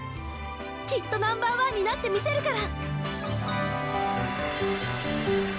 きっとナンバーワンになってみせるから。